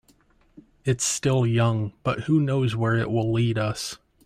It's still young, but who knows where it will lead us.